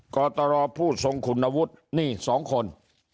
กรตรผู้ทรงคุณวุฒินี่๒คน